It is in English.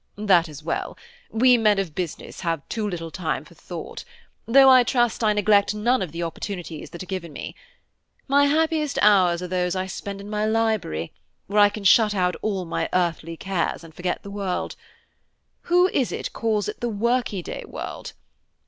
That is well; we men of business have too little time for thought, though I trust I neglect none of the opportunities that are given me. My happiest hours are those I spend in my library, where I can shut out all my earthly cares, and forget the world. Who is it calls it the workey day world?